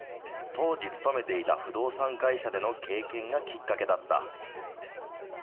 当時勤めていた不動産会社での経験がきっかけだった。